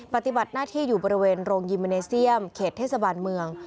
ปฏิบัติหน้าที่อยู่บริเวณโรงยิมเมเนเซียมเขตเทศบาลเมือง